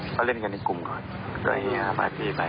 เราก็เลนกันให้กลุ่มของตัวแอสฟักสีไป